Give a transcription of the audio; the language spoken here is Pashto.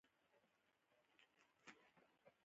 کندهار ولې نه شي چلولای.